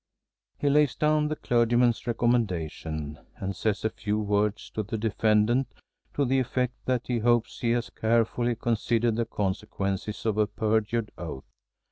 He lays down the clergyman's recommendation and says a few words to the defendant to the effect that he hopes he has carefully considered the consequences of a perjured oath.